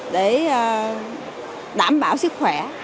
để đảm bảo sức khỏe